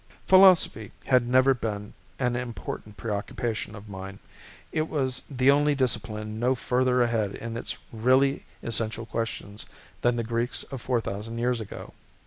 Philosophy had never been an important preoccupation of mine. It was the only discipline no further ahead in its really essential questions than the Greeks of four thousand years ago.